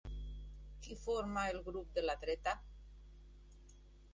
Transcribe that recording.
Qui forma el grup de la dreta?